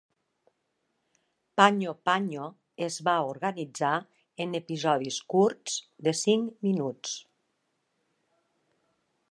Panyo Panyo es va organitzar en episodis curts de cinc minuts.